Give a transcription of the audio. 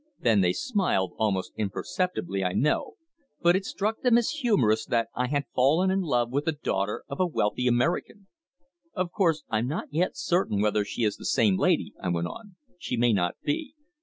Then they smiled, almost imperceptibly, I know, but it struck them as humorous that I had fallen in love with the daughter of a wealthy American. "Of course I'm not yet certain whether she is the same lady," I went on. "She may not be.